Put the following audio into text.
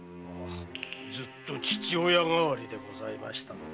ずっと父親代わりでございましたので。